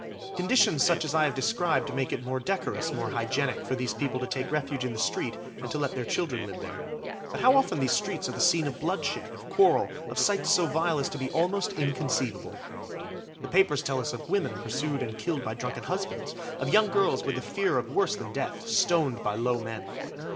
Conditions such as I have described make it more decorous, more hygienic, for these people to take refuge in the street and to let their children live there. But how often these streets are the scene of bloodshed, of quarrel, of sights so vile as to be almost inconceivable. The papers tell us of women pursued and killed by drunken husbands! Of young girls with the fear of worse than death, stoned by low men.